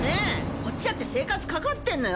こっちだって生活かかってるのよ。